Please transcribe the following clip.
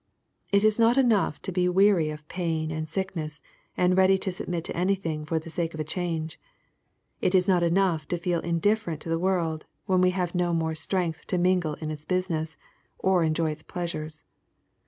It is not enough to be weary of pain, and sickness, and ready to submit to anything for the sake of a change. It is not enough to feel indif ferent to the world, when we have no more strength to mingle in its business, or enjoy its pleasures.